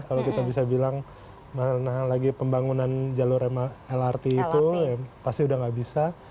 kalau kita bisa bilang lagi pembangunan jalur lrt itu ya pasti udah nggak bisa